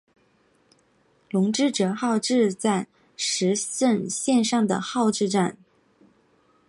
泷之泽号志站石胜线上的号志站。